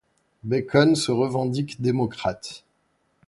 Bacon se revendique démocrate.